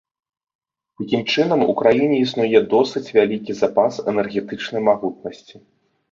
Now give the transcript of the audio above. Такім чынам, у краіне існуе досыць вялікі запас энергетычнай магутнасці.